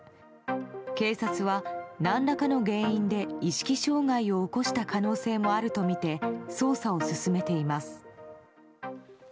警察は何らかの原因で意識障害を起こした可能性もあるとみて捜査を進めています。